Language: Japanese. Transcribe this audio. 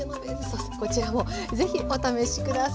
こちらも是非お試し下さい。